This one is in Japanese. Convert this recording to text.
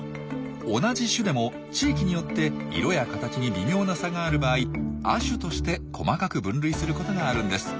同じ種でも地域によって色や形に微妙な差がある場合「亜種」として細かく分類することがあるんです。